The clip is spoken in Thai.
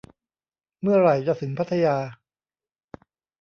เมื่อไหร่จะถึงพัทยา